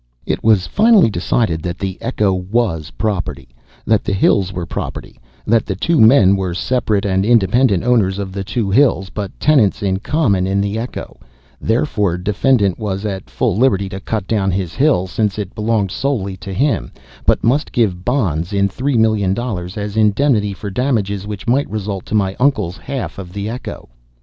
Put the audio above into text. It was finally decided that the echo was property; that the hills were property; that the two men were separate and independent owners of the two hills, but tenants in common in the echo; therefore defendant was at full liberty to cut down his hill, since it belonged solely to him, but must give bonds in three million dollars as indemnity for damages which might result to my uncle's half of the echo.